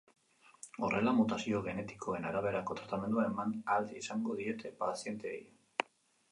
Horrela, mutazio genetikoen araberako tratamendua eman ahal izango diete pazienteei.